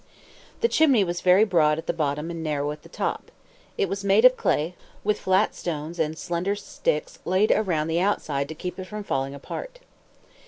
The chimney was very broad at the bottom and narrow at the top. It was made of clay, with flat stones and slender sticks laid around the outside to keep it from falling apart.